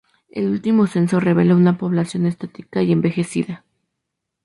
El último censo reveló una población estática y envejecida.